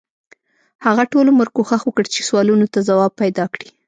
هغه ټول عمر کوښښ وکړ چې سوالونو ته ځواب پیدا کړي.